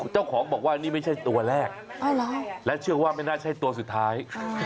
เจ้าของบอกว่านี่ไม่ใช่ตัวแรกและเชื่อว่าไม่น่าใช่ตัวสุดท้าย